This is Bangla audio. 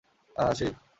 আহ, শিট!